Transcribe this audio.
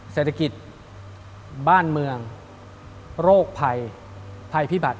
เศรษฐกิจบ้านเมืองโรคภัยภัยพิบัติ